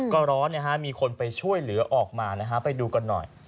ก็ร้อนมีคนไปช่วยเหลือออกมานะฮะไปดูกันหน่อย